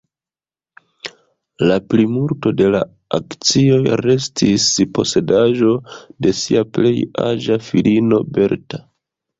La plimulto de la akcioj restis posedaĵo de sia plej aĝa filino Bertha.